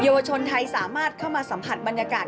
วชนไทยสามารถเข้ามาสัมผัสบรรยากาศ